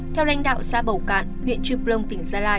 theo đánh đạo xã bầu cạn huyện trư plông tỉnh gia lai